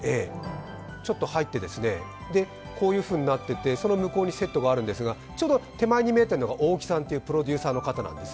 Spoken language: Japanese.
ちょっと入ってこういうふうになっててその向こうにセットがあるんですが、ちょうど手前に見えているのが大木さんというプロデューサーの方なんです。